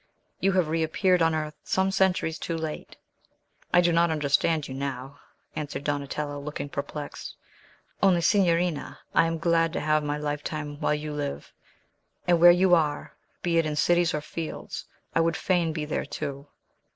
You have reappeared on earth some centuries too late." "I do not understand you now," answered Donatello, looking perplexed; "only, signorina, I am glad to have my lifetime while you live; and where you are, be it in cities or fields, I would fain be there too."